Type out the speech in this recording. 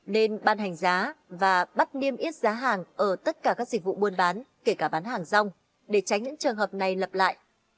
nên ban hành giá và bắt niêm yết giá hàng ở tất cả các dịch vụ buôn bán kể cả bán hàng rong để tránh những trường hợp này lặp lại